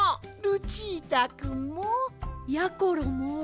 ルチータくんも！やころも